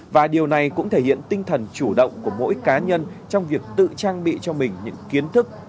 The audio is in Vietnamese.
và điều này cũng thể hiện tinh thần chủ động của mỗi cá nhân trong việc tự trang bị cho mình những kiến thức